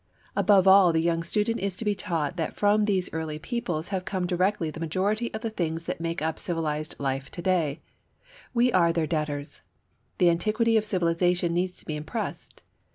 Above all, the young student is to be taught that from these early peoples have come directly the majority of the things that make up civilized life of to day; we are their debtors. The antiquity of civilization needs to be impressed.